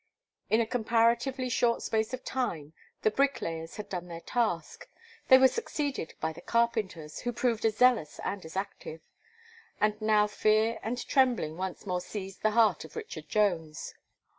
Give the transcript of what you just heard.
In a comparatively short space of time, the bricklayers had done their task; they were succeeded by the carpenters, who proved as zealous and as active. And now fear and trembling once more seized the heart of Richard Jones.